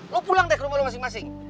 lu pulang deh ke rumah lu masing masing